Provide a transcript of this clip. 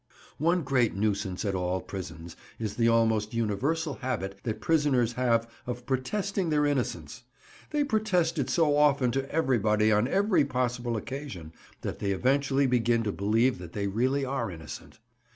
One great nuisance at all prisons is the almost universal habit that prisoners have of protesting their innocence; they protest it so often to everybody on every possible occasion, that they eventually begin to believe that they really are innocent.